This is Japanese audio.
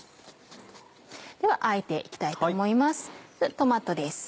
ではあえて行きたいと思います。